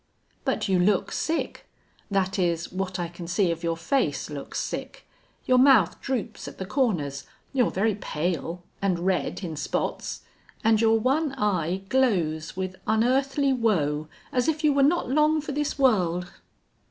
"But you look sick. That is, what I can see of your face looks sick. Your mouth droops at the corners. You're very pale and red in spots. And your one eye glows with unearthly woe, as if you were not long for this world!"